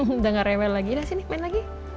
udah gak rewel lagi dari sini main lagi